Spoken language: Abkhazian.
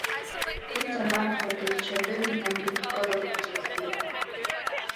Ус анакәха, дыхьчатәыми нап идкылан уаҵәазгьы!